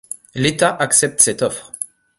L'état accepte cette offre.